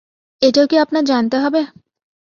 এটাও কি আপনার জানতে হবে?